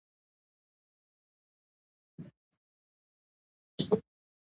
خدمت د ټولنې د پرمختګ وسیله ده.